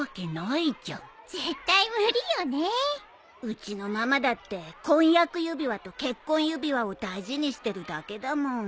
うちのママだって婚約指輪と結婚指輪を大事にしてるだけだもん。